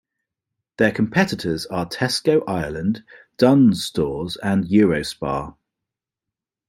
Their competitors are Tesco Ireland, Dunnes Stores and Eurospar.